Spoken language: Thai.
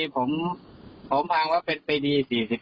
กลับมารับทราบ